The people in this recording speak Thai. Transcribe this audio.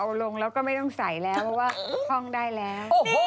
เอาลงแล้วก็ไม่ต้องใส่แล้วเพราะว่าท่องได้แล้ว